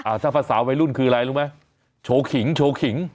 อ่าถ้าภาษาวัยรุ่นคืออะไรรู้ไหมโฉ่ขิงโฉ่ขิง